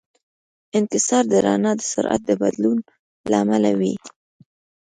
انکسار د رڼا د سرعت د بدلون له امله وي.